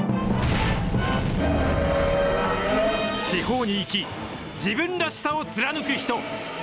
地方に生き、自分らしさを貫く人。